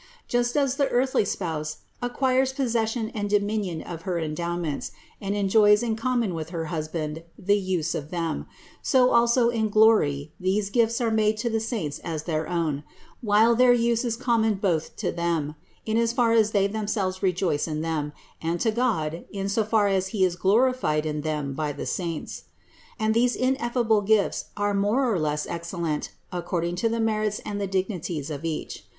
Just as the earthly spouse acquires possession and dominion of her endowments and enjoys in common with her hus band the use of them, so also in glory these gifts are made to the saints as their own, while their use is com mon both to them, in as far as they themselves rejoice in them, and to God, in as far as He is glorified in them by the saints. And these ineffable gifts are more or less excellent according to the merits and the dignities of each.